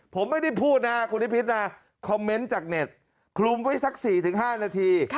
ผมไม่ได้พูดนะคุณนิพิษนะคอมเมนต์จากเน็ตคลุมไว้สัก๔๕นาที